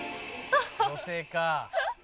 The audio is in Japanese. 「女性か」